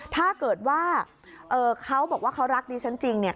ถ้าเกิดว่าเขาบอกว่าเขารักดิฉันจริงเนี่ย